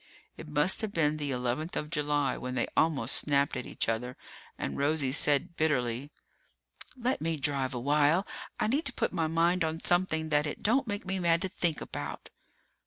It must have been the eleventh of July when they almost snapped at each other and Rosie said bitterly, "Let me drive a while. I need to put my mind on something that it don't make me mad to think about!"